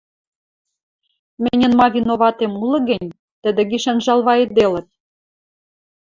— Мӹньӹн ма виноватем улы гӹнь, тӹдӹ гишӓн жалвайыделыт.